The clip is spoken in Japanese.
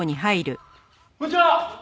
こんにちは！